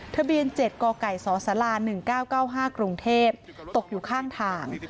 ทะเบียน๗กไก่สศ๑๙๙๕กรุงเทพตกอยู่ข้างทาง